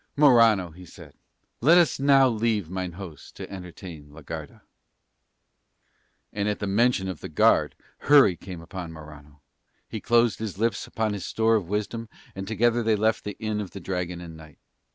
"Morano," he said, "let us now leave mine host to entertain la Garda." And at the mention of the guard hurry came on Morano, he closed his lips upon his store of wisdom, and together they left the Inn of the Dragon and Knight.